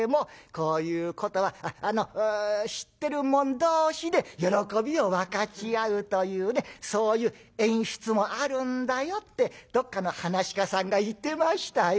こういうことは知ってる者同士で喜びを分かち合うというねそういう演出もあるんだよってどっかの噺家さんが言ってましたよ」。